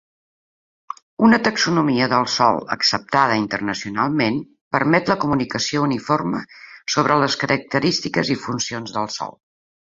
Una taxonomia del sòl acceptada internacionalment permet la comunicació uniforme sobre les característiques i funcions del sòl.